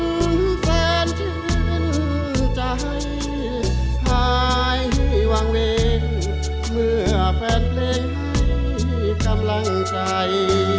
แฟนชื่นใจหายวางเวงเมื่อแฟนเพลงให้กำลังใจ